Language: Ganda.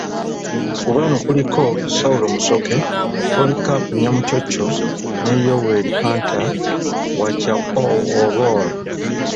Ku bano kuliko; Saulo Musoke, Polycarp Nyamuchoncho ne Yoweri Hunter Wacha-Olwol.